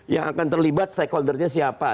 yang akan terlibat stakeholdernya siapa